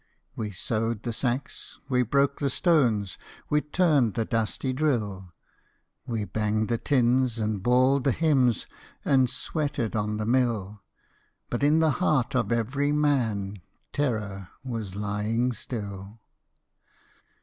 We sewed the sacks, we broke the stones, We turned the dusty drill: We banged the tins, and bawled the hymns, And sweated on the mill: But in the heart of every man Terror was lying still.